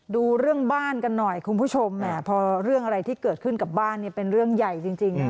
ดูเรื่องบ้านกันหน่อยคุณผู้ชมแหมพอเรื่องอะไรที่เกิดขึ้นกับบ้านเนี่ยเป็นเรื่องใหญ่จริง